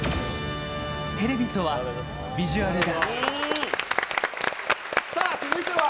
テレビとは、ヴィジュアルだ。